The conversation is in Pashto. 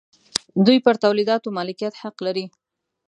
دوی پر تولیداتو مالکیت حق لري.